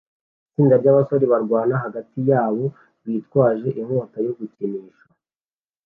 Itsinda ryabasore barwana hagati yabo bitwaje inkota yo gukinisha